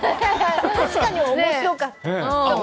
確かに面白かった。